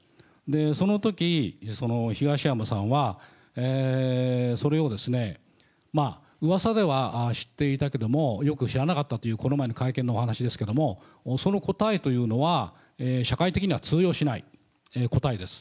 そのとき、東山さんは、それをうわさでは知っていたけども、よく知らなかったと、この間の会見のお話ですけども、その答えというのは社会的には通用しない答えです。